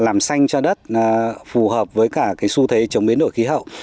làm xanh cho đất phù hợp với cả cái xu thế chống biến đổi khí hậu